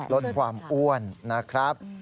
ลดความอ้วนนะครับ